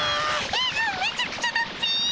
絵がめちゃくちゃだっピ！